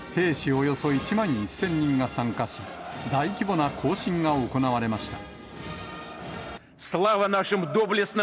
およそ１万１０００人が参加し、大規模な行進が行われました。